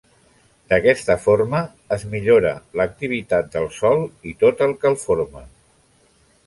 D'aquesta forma, es millora l'activitat del sòl i tot el que el forma.